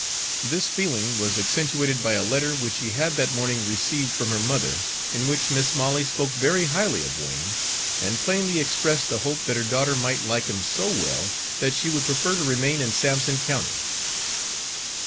This feeling was accentuated by a letter which she had that morning received from her mother, in which Mis' Molly spoke very highly of Wain, and plainly expressed the hope that her daughter might like him so well that she would prefer to remain in Sampson County.